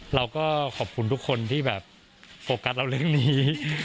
เราก็ขอบคุณทุกคนที่แบบโฟกัสเราเรื่องนี้